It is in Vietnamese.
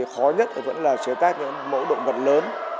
khó nhất vẫn là chế tác những mẫu động vật lớn